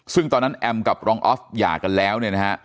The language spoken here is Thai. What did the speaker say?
ซึ่งตอนนั้นแอมกับรองออฟหย่ากันแล้วเนี่ยนะฮะ